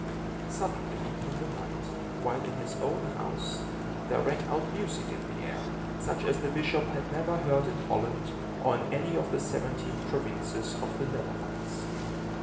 Suddenly, in the night, while in his own house, there rang out music in the air, such as the bishop had never heard in Holland, or in any of the seventeen provinces of the Netherlands.